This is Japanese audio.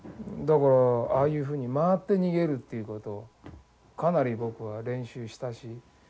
だからああいうふうに回って逃げるっていうことをかなり僕は練習したし。